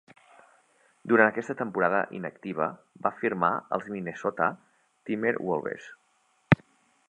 Durant aquesta temporada inactiva, va firmar amb els Minnesota Timberwolves.